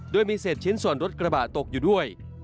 โดยมีเศษชิ้นส่วนรถกระบะตกอยู่ด้วย